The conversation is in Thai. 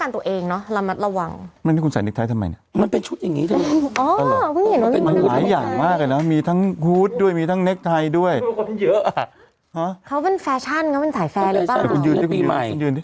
เธอไม่ต้องนะเธออ่านข่าวเนอะ